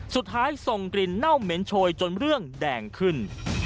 สุดท้ายส่งกลิ่นเน่าเหม็นโชยจนเรื่องแดงขึ้น